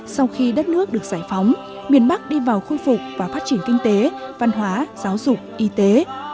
sau khi đất nước được giải phóng miền bắc đi vào khôi phục và phát triển kinh tế văn hóa giáo dục y tế